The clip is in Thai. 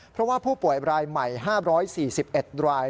เพราะว่าผู้ป่วยรายใหม่๕๔๑ราย